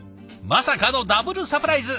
まさかのダブルサプライズ！